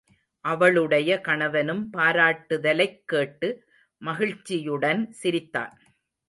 அவளுடைய கணவனும் பாராட்டுத்தலைக் கேட்டு மகிழ்ச்சியுடன் சிரித்தான்.